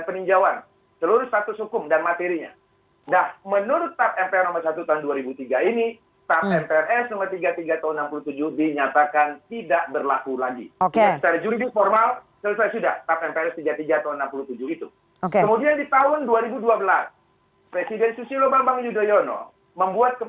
memberikan penegasan kepada bung karno tidak pernah berkhianat kepada bangsa dan negara